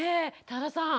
多田さん